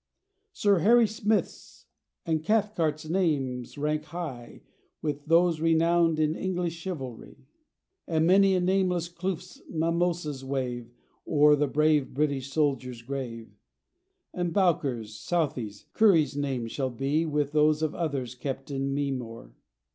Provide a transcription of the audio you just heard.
Sir Harry Smith's and Cathcart's names rank high With those renowned in English chivalry, And many a nameless kloof's mimosas wave O'er the brave British soldier's grave; And Bowker's, Southey's, Currie's names shall be, With those of others, kept in memory.